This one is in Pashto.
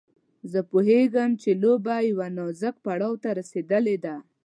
زه پوهېږم چې لوبه يوه نازک پړاو ته رسېدلې ده.